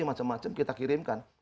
macam macam kita kirimkan